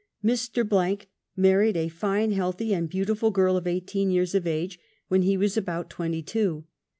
Mr. , married a fine, healthy and beautiful girl of eighteen years of age, when he was about twenty two.